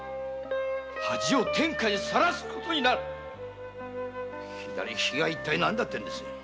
恥を天下にさらす事になる左利きが一体何だってんです。